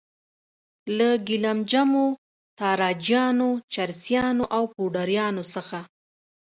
له ګیلم جمو، تاراجیانو، چرسیانو او پوډریانو څخه.